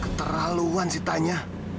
keterlaluan sih tanya